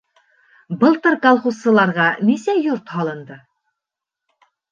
Былтыр колхозсыларға нисә йорт һалынды?